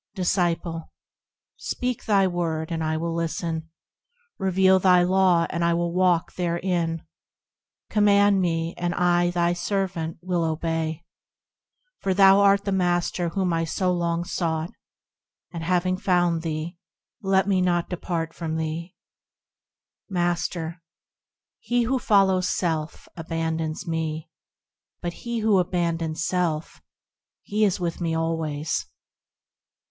Disciple. Speak thy Word, and I will listen; Reveal thy Law, and I will walk therein ; Command me, and I, thy servant, will obey ; For thou art the Master whom I so long sought, And having found thee, let me not depart from thee. Master. He who follows self, abandons me; But he who abandons self, lo ! he is with me always.